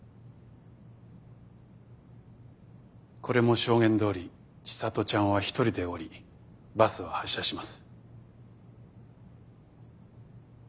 これも証言どおり千里ちゃんは一人で降りバスは発車します。